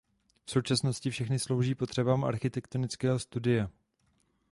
V současnosti všechny slouží potřebám architektonického studia.